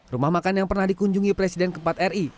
rumah makan yang pernah dikunjungi presiden ke empat ri